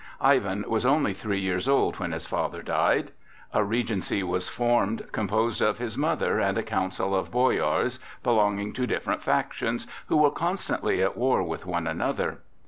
Ivan was only three years old when his father died. A regency was formed, composed of his mother and a council of boyars, belonging to different factions, who were constantly at war with one another.